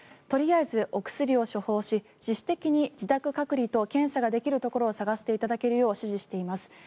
とりあえずお薬を処方し自主的に自宅隔離と検査をできるところを探していただけるよう指示しています。